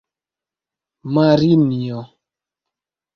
Marinjo!